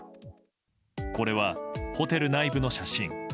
これは、ホテル内部の写真。